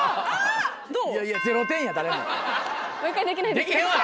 できへんわ！